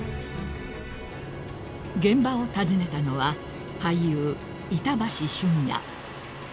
［現場を訪ねたのは俳優板橋駿谷］